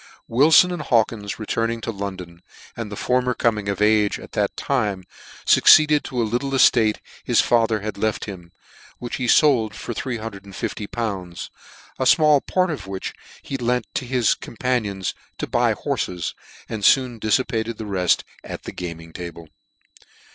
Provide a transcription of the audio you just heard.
Wilfon and Hawkins returning to London, and the former coming of age at that tine, fucceeded to a little eftate his father had left him, which he fold for 350!. a fmall part of which he lent to his companions, to buy horfes, and foon diffipated tilt reft at the gaming table.